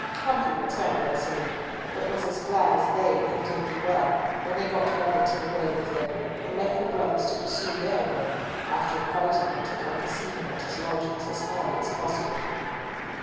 Humfrey returned their salute, but was as glad as they evidently were when they got Babington away with them, and left the brothers to pursue their way, after inviting them to come and see him at his lodgings as early as possible.